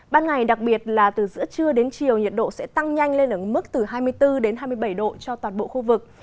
ban ngày đặc biệt là từ giữa trưa đến chiều nhiệt độ sẽ tăng nhanh lên ở mức từ hai mươi bốn đến hai mươi bảy độ cho toàn bộ khu vực